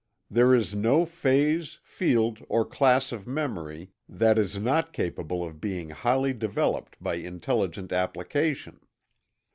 There is no phase, field, or class of memory that is not capable of being highly developed by intelligent application.